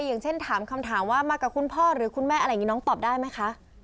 อย่างเช่นถามคำถามว่ามากับคุณพ่อหรือคุณแม่อะไรอย่างนี้น้องตอบได้ไหมคะ